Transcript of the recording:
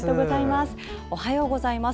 おはようございます。